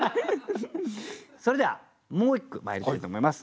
それではもう一句まいりたいと思います。